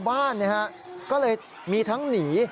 สายลูกไว้อย่าใส่